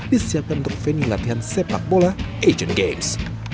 disiapkan untuk venue latihan sepak bola asian games